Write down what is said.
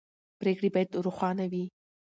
پرېکړې باید روښانه وي